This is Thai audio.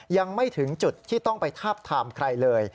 ยังไม่ถึงจุดที่ต้องไปทาบทามใครเลย